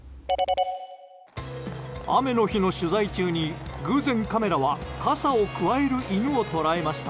雨の日の取材中に偶然カメラは傘をくわえる犬を捉えました。